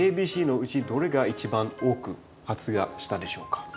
ＡＢＣのうちどれが一番多く発芽したでしょうか？